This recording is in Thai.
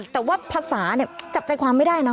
แต่ว่าภาษาเนี่ยจับใจความไม่ได้เนอ